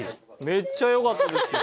めっちゃよかったですよ。